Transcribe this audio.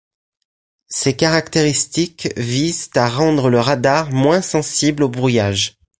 Ces caractéristiques visent à rendre le radar moins sensible aux brouillage.